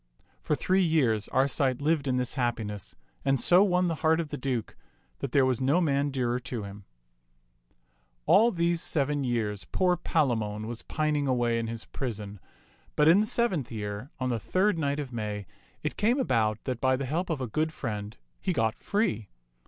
For three years Arcite lived in this happiness, and so won the heart of the Duke that there was no man dearer to him. 30 t^^ Mnxs^f^ t<xU All these seven years poor Palamon was pining away in his prison, but in the seventh year, on the third night of May, it came about that by the help of a good friend he got free.